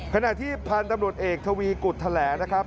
ขณะที่พันธุ์ตำรวจเอกทวีกุฎแถลงนะครับ